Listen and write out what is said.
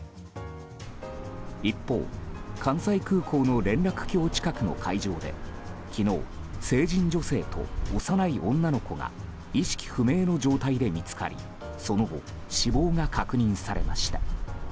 一方、関西空港の連絡橋近くの海上で昨日、成人女性と幼い女の子が意識不明の状態で見つかりその後、死亡が確認されました。